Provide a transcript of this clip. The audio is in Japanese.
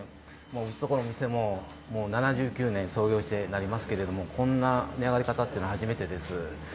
もううちのところの店も、もう７９年創業してなりますけれども、こんな値上がり方っていうのは初めてです。